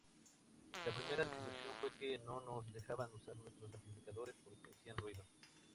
La primera desilusión fue que no nos dejaban usar nuestros amplificadores porque 'hacían ruido'.